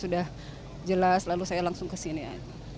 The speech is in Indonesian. sudah jelas lalu saya langsung kesini aja